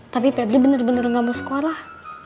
tapi pep gue bener bener gak mau sekolah